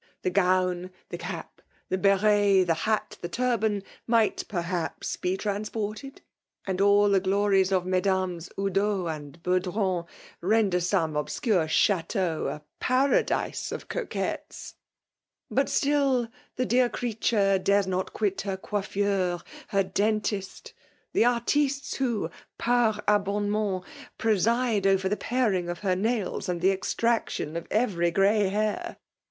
The fSmaLE boMlKATfON. l89 gbwnJ the cap, the hSfei, the hat • the turban, tiiight perhaps be transported; and all the gtorie« of Mesdames Ondot and Beaudrant render Bome obscnre ch&tean a Paradise 6f cbquettes. But still the dear creature dares not quit her cocffeur, her dentist, — the ar^f^s urfio, par aionTwment, preside over the paring of her nails and the extraction of every gray hair.